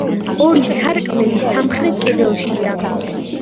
ორი სარკმელი სამხრეთ კედელშია.